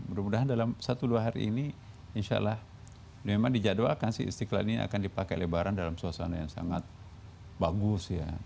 mudah mudahan dalam satu dua hari ini insya allah memang dijadwalkan sih istiqlal ini akan dipakai lebaran dalam suasana yang sangat bagus ya